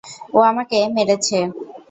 ও আমাকে মেরেছে!